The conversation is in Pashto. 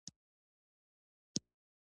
د نوکانو د فنګس لپاره کوم څاڅکي وکاروم؟